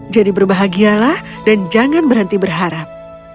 jadi berbahagialah dan jangan berhenti berharap